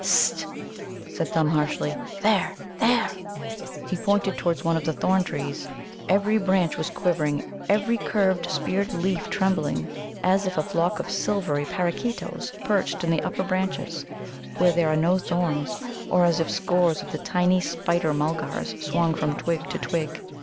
"Hst!" said Thumb harshly; "there, there!" He pointed towards one of the thorn trees. Every branch was quivering, every curved, speared leaf trembling, as if a flock of silvery Parrakeetoes perched in the upper branches, where there are no thorns, or as if scores of the tiny Spider mulgars swung from twig to twig.